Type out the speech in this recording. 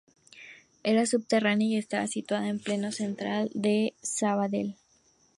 Era subterránea y estaba situada en pleno centro de Sabadell.